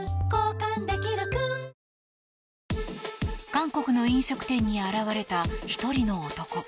韓国の飲食店に現れた１人の男。